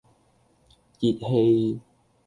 熱氣